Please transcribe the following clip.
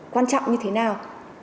quan trọng như thế nào